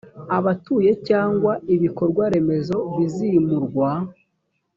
abatuye cyangwa ibikorwa remezo bizimurwa